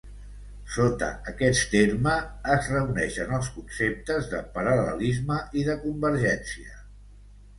Sota aquest terme es reuneixen els conceptes de paral·lelisme i de convergència.